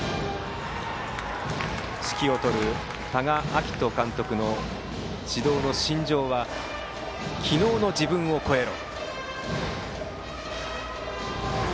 指揮を執る多賀章仁監督の指導の信条は昨日の自分を超えろ。